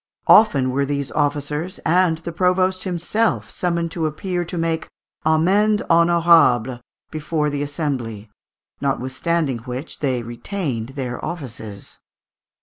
Often were these officers and the provost himself summoned to appear and make amende honourable before the assembly, notwithstanding which they retained their offices.